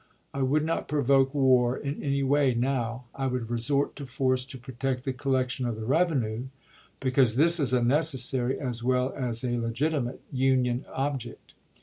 " I would not provoke war in any way now. I would resort to force to protect the collection of the revenue, because this is a necessary as well as a legitimate Union object.